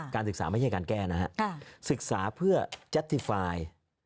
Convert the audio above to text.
การศึกษาเพื่อจัททีไฟด์